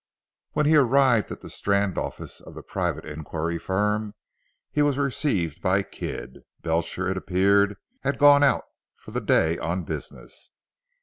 When he arrived at the Strand office of the private inquiry firm, he was received by Kidd. Belcher, it appeared, had gone out for the day on business.